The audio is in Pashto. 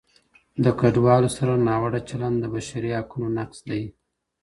د کډوالو سره ناوړه چلند د بشري حقونو نقض دی.